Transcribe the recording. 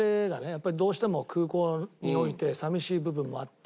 やっぱりどうしても空港において寂しい部分もあって。